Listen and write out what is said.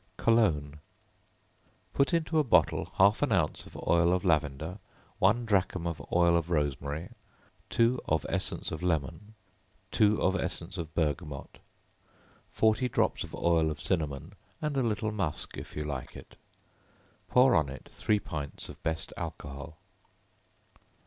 Cologne. Put into a bottle half an ounce of oil of lavender, one drachm of oil of rosemary, two of essence of lemon, two of essence of bergamot, forty drops of oil of cinnamon, and a little musk, if you like it; pour on it three pints of best alcohol.